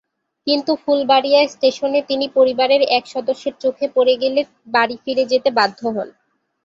কিন্তু ফুলবাড়িয়া রেলস্টেশনে তিনি পরিবারের এক সদস্যের চোখে পড়ে গেলে বাড়ি ফিরে যেতে বাধ্য হন।